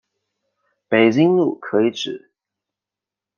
北京路可以指